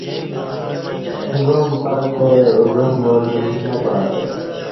گعام پاتہ اُگعام وار نہ پاتہ